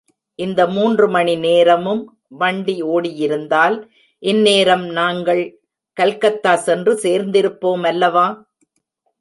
இந்த மூன்று மணி நேரமும் வண்டி ஓடியிருந்தால் இன்னேரம் நாங்கள் கல்கத்தா சென்று சேர்ந்திருப்போம் அல்லவா?